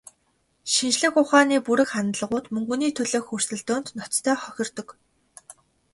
Шинжлэх ухааны бүрэг хандлагууд мөнгөний төлөөх өрсөлдөөнд ноцтой хохирдог.